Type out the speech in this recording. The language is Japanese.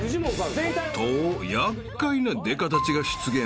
［と厄介なデカたちが出現］